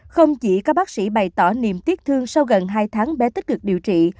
không chỉ các bác sĩ bày tỏ niềm tiếc thương sau gần hai tháng bé tích cực điều trị